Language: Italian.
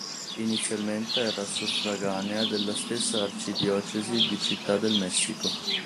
Inizialmente era suffraganea della stessa arcidiocesi di Città del Messico.